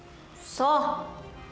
そう。